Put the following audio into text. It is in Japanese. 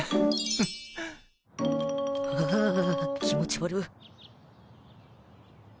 うぅ気持ち悪っ。